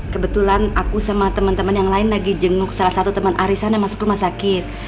kebetulan aku sama temen temen yang lain lagi jenguk salah satu temen aris sana masuk rumah sakit